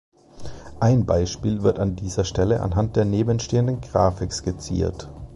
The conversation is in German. Ein Beispiel wird an dieser Stelle anhand der nebenstehenden Grafik skizziert.